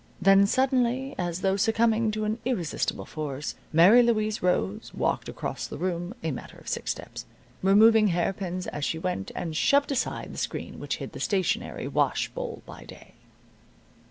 Then, suddenly, as though succumbing to an irresistible force, Mary Louise rose, walked across the room (a matter of six steps), removing hairpins as she went, and shoved aside the screen which hid the stationary wash bowl by day.